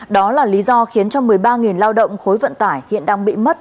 đó là lý do khiến cho một mươi ba lao động khối vận tải hiện đang bị mất